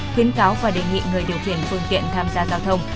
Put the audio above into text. khuyến cáo và đề nghị người điều khiển phương tiện tham gia giao thông